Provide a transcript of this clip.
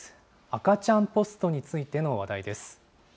赤ちゃんポストについての話題です。